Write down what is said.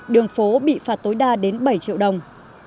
đường phố bị phạt tối đa đến bảy triệu đồng